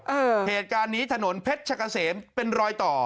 เหตุการณ์นี้ถนนเพชรชะกะเสมเป็นรอยต่อ